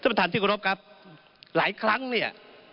ประธานที่กรบครับหลายครั้งเนี่ย